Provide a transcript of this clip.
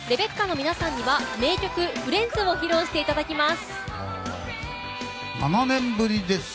ＲＥＢＥＣＣＡの皆さんには名曲「フレンズ」を披露していただきます。